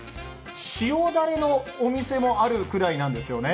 塩だれのお店もあるくらいなんですよね。